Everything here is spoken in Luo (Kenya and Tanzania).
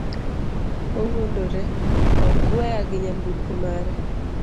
owuondore, ogweya gi nyamburko mare